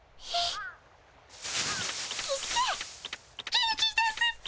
元気出すっピ。